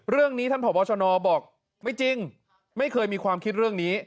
เรื่องนี้ท่านผอบชนบอกไม่จริงไม่เคยมีความคิดเรื่องนี้